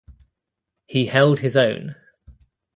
He held his own.